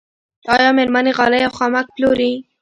آیا میرمنې غالۍ او خامک پلوري؟